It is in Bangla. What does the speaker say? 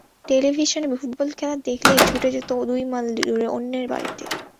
টেলিভিশনে ফুটবল খেলা দেখালেই ছুটে যেত দুই মাইল দূরে অন্যের বাড়িতে।